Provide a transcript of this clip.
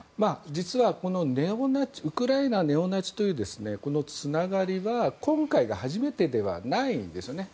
実はこのウクライナ、ネオナチというつながりは今回が初めてではないんですね。